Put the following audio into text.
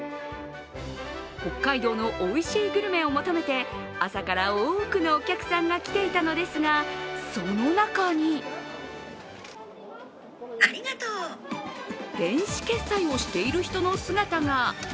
北海道のおいしいグルメを求めて朝から多くのお客さんが来ていたのですが、その中に電子決済をしている人の姿が。